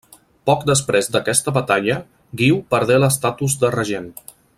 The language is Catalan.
Poc després d'aquesta batalla, Guiu perdé l'estatus de regent.